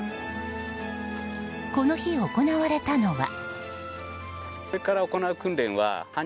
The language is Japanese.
この日、行われたのは。